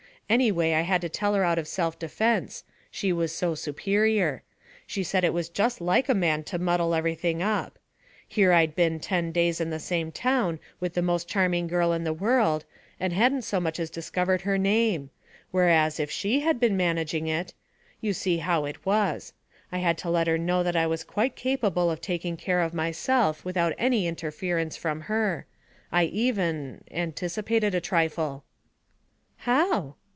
Anyway, I had to tell her out of self defence; she was so superior. She said it was just like a man to muddle everything up. Here I'd been ten days in the same town with the most charming girl in the world, and hadn't so much as discovered her name; whereas if she had been managing it You see how it was; I had to let her know that I was quite capable of taking care of myself without any interference from her. I even anticipated a trifle.' 'How?'